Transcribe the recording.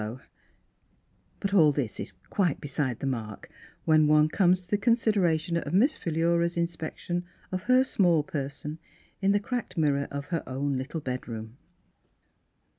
Miss Fhilura's Wedding Gown But all this is quite beside the mark, when one comes to the consideration of Miss Philura's inspection of her small per son in the cracked mirror of her own lit tle bedroom.